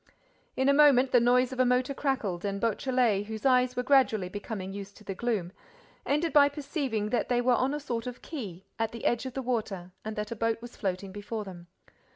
In a moment, the noise of a motor crackled and Beautrelet, whose eyes were gradually becoming used to the gloom, ended by perceiving that they were on a sort of quay, at the edge of the water, and that a boat was floating before them.